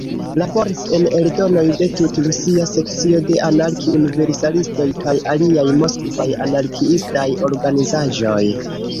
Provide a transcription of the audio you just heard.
Laboris en eldonoj de "Tut-Rusia sekcio de anarki-universalistoj" kaj aliaj moskvaj anarkiistaj organizaĵoj.